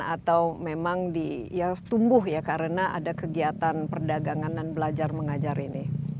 atau memang tumbuh ya karena ada kegiatan perdagangan dan belajar mengajar ini